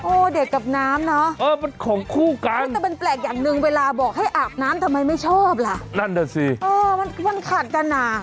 โอ้เด็กกับน้ำเนอะ